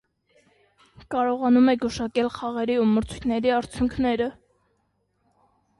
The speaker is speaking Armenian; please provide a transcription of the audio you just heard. Կարողանում է գուշակել խաղերի ու մրցակցությունների արդյունքները։